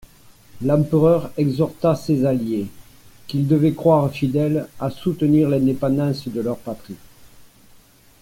L'empereur exhorta ces alliés, qu'il devait croire fidèles, à soutenir l'indépendance de leur patrie.